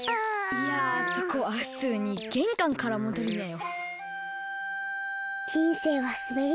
いやそこはふつうにげんかんからもどりなよ。